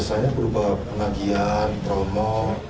biasanya berubah pengagihan promo